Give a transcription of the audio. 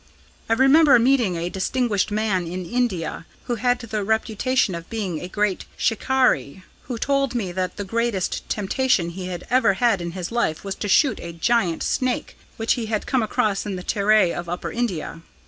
I remember meeting a distinguished man in India, who had the reputation of being a great shikaree, who told me that the greatest temptation he had ever had in his life was to shoot a giant snake which he had come across in the Terai of Upper India.